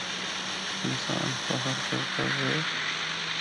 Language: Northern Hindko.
انسان فخر کردا وے۔